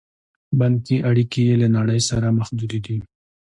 بانکي اړیکې یې له نړۍ سره محدودې دي.